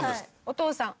お父さん。